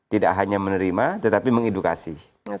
tidak hanya menerima tetapi mengedukasi